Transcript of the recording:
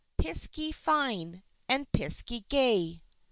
PISKEY FINE! AND PISKEY GAY!